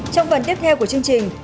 trong phần tiếp theo của chương trình